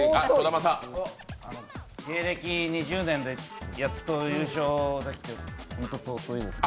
芸歴２０年でやっと優勝できて尊いです。